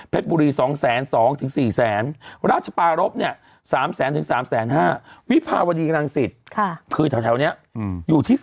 เพชรบุรี๒๐๐๐๔๐๐๐ราชปารบเนี่ย๓๐๐๐๓๕๐๐วิภาวรีกำลังสิทธิ์คือแถวเนี่ยอยู่ที่๑๕๐๐๒๖๐๐